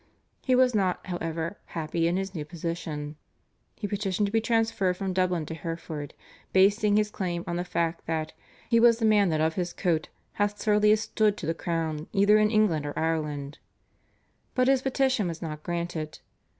He was not, however, happy in his new position. He petitioned to be transferred from Dublin to Hereford, basing his claim on the fact that "he was the man that of his coat hath surlyest stood to the crown either in England or Ireland." But his petition was not granted.